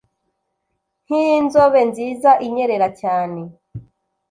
Nk' inzobe nziza inyerera cyane